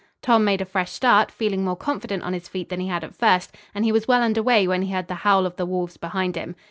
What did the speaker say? Tom made a fresh start, feeling more confident on his feet than he had at first, and he was well under way when he heard the howl of the wolves behind him.